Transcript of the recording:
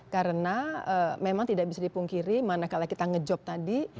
karena memang tidak bisa dipungkiri manakala kita ngejob tadi